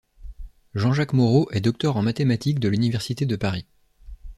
Jean-Jacques Moreau est docteur en mathématiques de l'université de Paris.